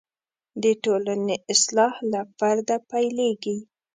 د ټولنې اصلاح له فرده پیلېږي.